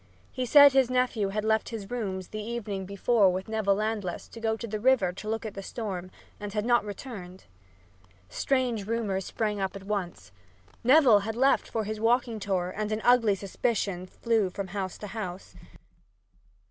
He said his nephew had left his rooms the evening before with Neville Landless to go to the river to look at the storm, and had not returned. Strange rumors sprang up at once. Neville had left for his walking tour and an ugly suspicion flew from house to house.